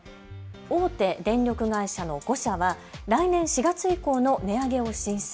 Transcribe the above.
大手電力会社の５社は来年４月以降の値上げを申請。